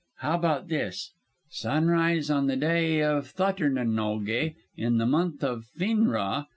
How about this? 'Sunrise on the day of Thottirnanoge in the month of Finn ra.